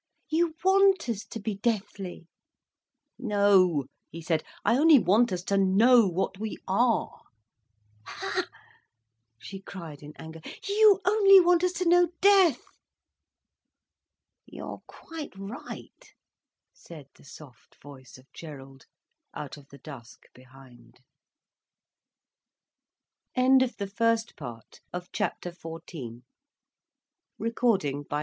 You want us to be deathly." "No," he said, "I only want us to know what we are." "Ha!" she cried in anger. "You only want us to know death." "You're quite right," said the soft voice of Gerald, out of the dusk behind. Birkin rose. Gerald and Gudrun came up.